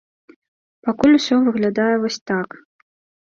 Пакуль усё выглядае вось так.